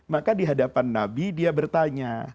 maka dihadapan nabi dia bertanya